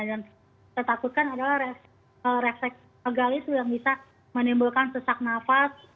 yang bisa kita takutkan adalah refleks vagal itu yang bisa menimbulkan sesak nafas